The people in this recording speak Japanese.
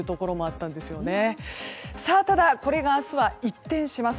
ただ、これが明日は一転します。